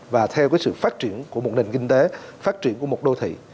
và theo sự phát triển của một nền kinh tế phát triển của một đô thị